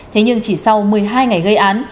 thế nhưng chỉ sau một mươi hai ngày gây án